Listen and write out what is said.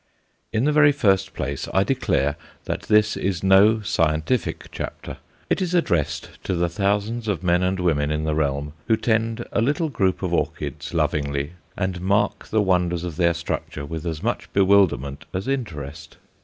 In the very first place, I declare that this is no scientific chapter. It is addressed to the thousands of men and women in the realm who tend a little group of orchids lovingly, and mark the wonders of their structure with as much bewilderment as interest.